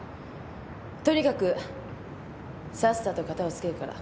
とにかくさっさと片をつけるから。